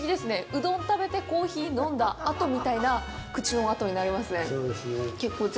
うどん食べてコーヒー飲んだあとみたいな口のあとになりますね